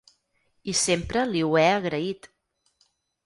I sempre li ho he agraït.